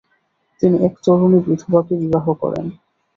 তিনি এক তরুণী বিধবাকে বিবাহ করেন।